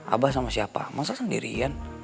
abah sama siapa masak sendirian